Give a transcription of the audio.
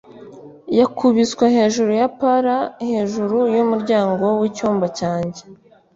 yakubiswe hejuru ya pallas hejuru yumuryango wicyumba cyanjye